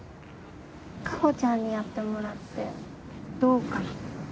果帆ちゃんにやってもらってどうかな？